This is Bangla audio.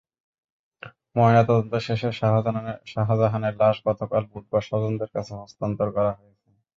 ময়নাতদন্ত শেষে শাহজাহানের লাশ গতকাল বুধবার স্বজনদের কাছে হস্তান্তর করা হয়েছে।